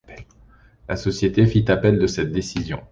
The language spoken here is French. La société fit appel de cette décision.